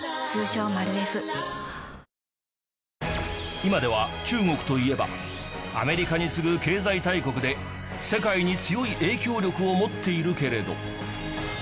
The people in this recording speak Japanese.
今では中国といえばアメリカに次ぐ経済大国で世界に強い影響力を持っているけれど